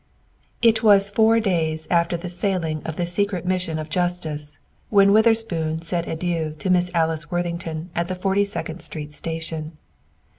It was four days after the sailing of the secret mission of justice when Witherspoon said adieu to Miss Alice Worthington at the Forty second Street station.